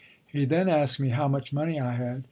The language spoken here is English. He then asked me how much money I had.